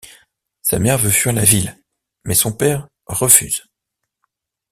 Sa mère veut fuir la ville mais son père refuse.